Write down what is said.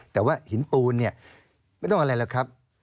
แต่ว่าหินปูนไม่ต้องอะไรเลยครับ